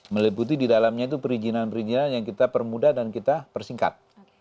meliputi di dalamnya itu perizinan perizinan yang kita permudah dan kita persingkat